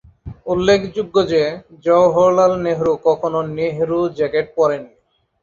উল্লেখযোগ্য যে, জওহরলাল নেহরু কখনও নেহরু জ্যাকেট পরেন নি।